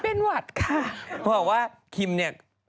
เพราะว่าคิมเนี่ย